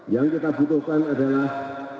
yang kita butuhkan adalah